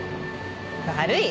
悪い？